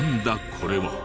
これは。